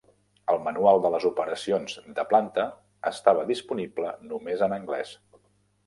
El manual de les operacions de planta estava disponible només en anglès.